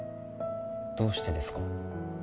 どうしてですか？